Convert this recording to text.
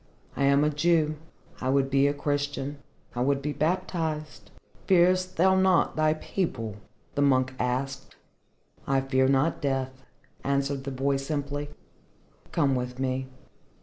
"I am a Jew. I would be a Christian. I would be baptized." "Fearest thou not thy people?" the monk asked. "I fear not death," answered the boy simply. "Come with me."